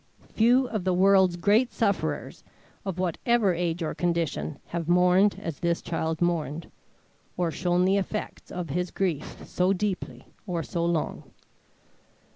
Few of the world's great sufferers, of whatever age or condition, have mourned as this child mourned, or shown the effects of his grief so deeply or so long.